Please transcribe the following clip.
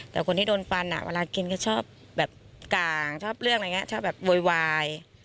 แต่คนที่โดนฟันเวลากินก็ชอบแบบกลางชอบเรื่องอะไรอย่างนี้ชอบแบบโวยวาย